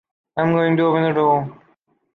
I am going to open the door.